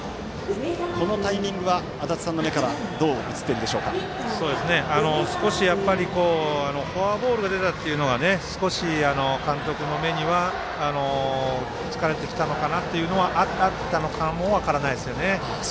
このタイミングは足立さんの目からフォアボールで出たというのは少し監督の目には疲れてきたのかなというのがあったのかも分からないですよね。